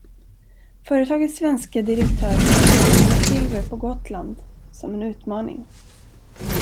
Företagets svenske direktör såg brytningen av silver på Gotland som en utmaning.